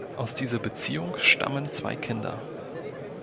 Aus dieser Beziehung stammen zwei Kinder.